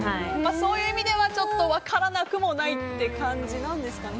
そういう意味では分からなくもないという感じなんですかね。